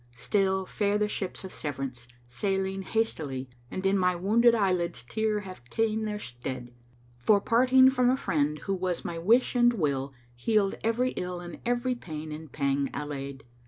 Still fare the ships of Severance, sailing hastily * And in my wounded eyelids tear have ta'en their stead, For parting from a friend who was my wish and will * Healed every ill and every pain and pang allay'd.